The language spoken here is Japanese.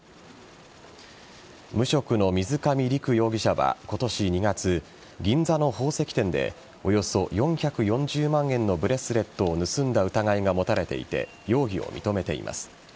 無職の水上陸容疑者は今年２月銀座の宝石店でおよそ４４０万円のブレスレットを盗んだ疑いが持たれていて容疑を認めています。